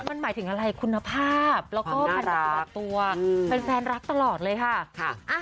แล้วมันหมายถึงอะไรคุณภาพแล้วก็ความรักตัวเป็นแฟนรักตลอดเลยค่ะ